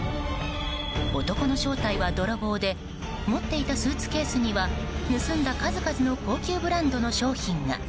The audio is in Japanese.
男の正体は泥棒で持っていたスーツケースには盗んだ数々の高級ブランドの商品が。